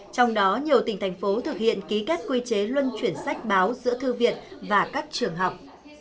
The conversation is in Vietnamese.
trong đó nhiều tỉnh thành phố thực hiện ký kết quy chế luân chuyển sách báo giữa thư viện và các trường học